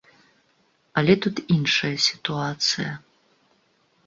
Але тут іншая сітуацыя.